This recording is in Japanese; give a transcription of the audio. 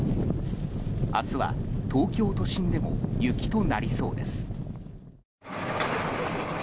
明日は東京都心でも雪となりそうです。